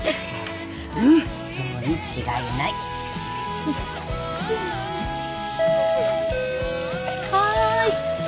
うんそうに違いないはーい